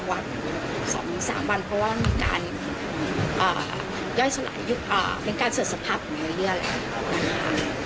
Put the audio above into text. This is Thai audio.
๓วันเพราะว่ามีการย่อยสลายเป็นการเสริภภัพธ์ของเนื้อเลี้ยแหล่ง